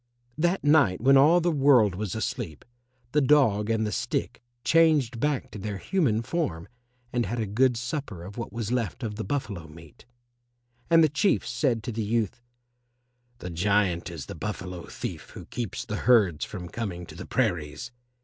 That night when all the world was asleep, the dog and the stick changed back to their human form and had a good supper of what was left of the buffalo meat. And the Chief said to the youth, "The giant is the Buffalo thief who keeps the herds from coming to the prairies.